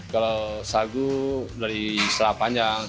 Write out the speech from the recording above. kalau sagu dari selama panjang